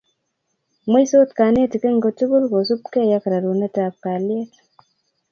mweisot kanetik eng kotugul kosubgei ak rorunetab kalyet